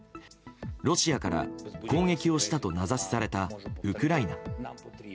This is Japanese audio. ロシアから攻撃をしたと名指しされたウクライナ。